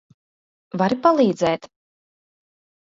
Vari palīdzēt?